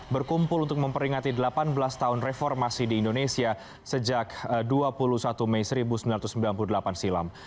berkumpul untuk memperingati delapan belas tahun reformasi di indonesia sejak dua puluh satu mei seribu sembilan ratus sembilan puluh delapan silam